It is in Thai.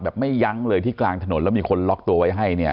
ไม่ยั้งเลยที่กลางถนนแล้วมีคนล็อกตัวไว้ให้เนี่ย